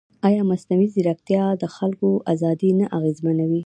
ایا مصنوعي ځیرکتیا د خلکو ازادي نه اغېزمنوي؟